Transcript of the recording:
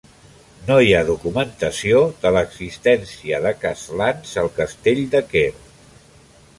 No hi ha documentació de l'existència de castlans al castell de Quer.